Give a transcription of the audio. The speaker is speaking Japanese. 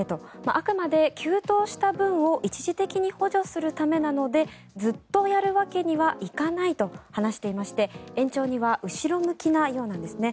あくまで急騰した分を一時的に補助するためなのでずっとやるわけにはいかないと話していまして延長には後ろ向きなようなんですね。